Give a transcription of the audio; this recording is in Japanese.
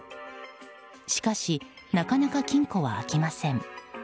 しかし、なかなか金庫は開きません。